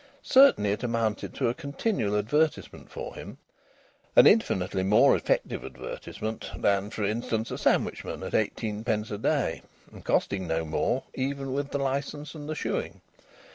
Certainly it amounted to a continual advertisement for him; an infinitely more effective advertisement than, for instance, a sandwichman at eighteen pence a day, and costing no more, even with the licence and the shoeing.